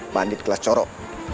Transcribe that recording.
bandit kelas corok